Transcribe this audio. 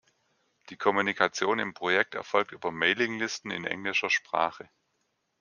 Die Kommunikation im Projekt erfolgt über Mailinglisten in englischer Sprache.